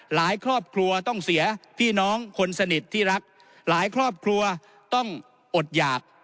ครอบครัวต้องเสียพี่น้องคนสนิทที่รักหลายครอบครัวต้องอดหยาก